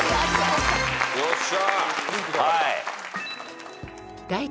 よっしゃ。